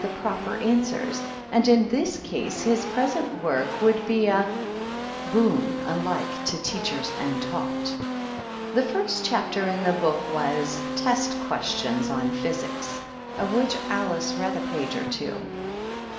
205 the proper answers, and in this case his present work would be a ^^boon alike to teachers and taught y The first chapter in the book was ^^Test Questions on Physics ^^^ of which Alice read a page or two: " i.